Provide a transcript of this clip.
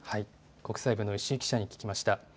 国際部の石井記者に聞きました。